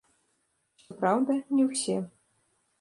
Што праўда, не ўсе.